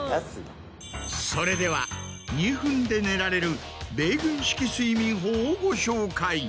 それでは２分で寝られる米軍式睡眠法をご紹介。